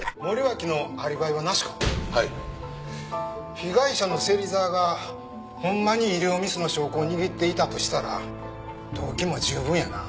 被害者の芹沢がホンマに医療ミスの証拠を握っていたとしたら動機も十分やな。